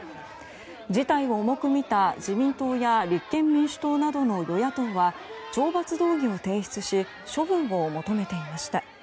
事態を重く見た自民党や立憲民主党などの与野党は懲罰動議を提出し処分を求めていました。